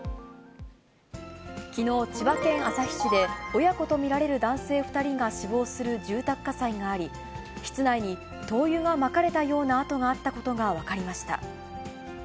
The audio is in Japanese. きのう、千葉県旭市で親子と見られる男性２人が死亡する住宅火災があり、室内に灯油がまかれたような跡があったことが分かりました。